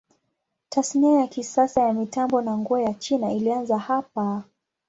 Tasnia ya kisasa ya mitambo na nguo ya China ilianza hapa.